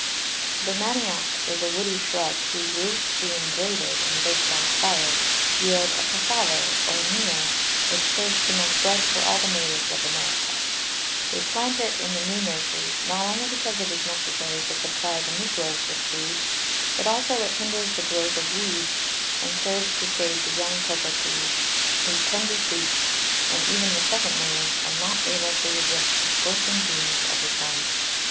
The Manioc is a woody Shrub, whose Roots being grated, and baked on the Fire, yield a Cassave, or Meal, which serves to make Bread for all the Natives of America. They plant it in the new Nurseries, not only because it is necessary to supply the Negroes with Food, but also it hinders the Growth of Weeds, and serves to shade the young Cocao Trees, whose tender Shoots, and even the second Leaves, are not able to resist the scorching Beams of the Sun.